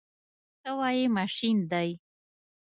ته وایې ماشین دی.